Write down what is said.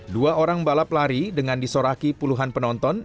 dua orang balap lari dengan disoraki puluhan penonton